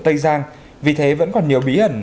tây giang vì thế vẫn còn nhiều bí ẩn